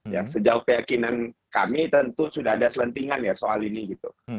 ya sejauh keyakinan kami tentu sudah ada selentingan ya soal ini gitu